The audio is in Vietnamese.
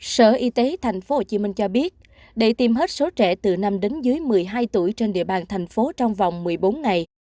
sở y tế tp hcm cho biết để tìm hết số trẻ từ năm đến dưới một mươi hai tuổi trên địa bàn thành phố trong vòng một mươi bốn ngày